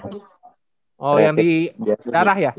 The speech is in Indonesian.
oh yang di darah ya